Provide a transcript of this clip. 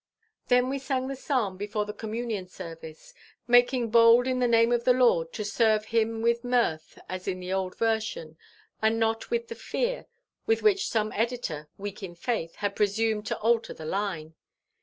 Then we sang the psalm before the communion service, making bold in the name of the Lord to serve him with mirth as in the old version, and not with the fear with which some editor, weak in faith, has presumed to alter the line.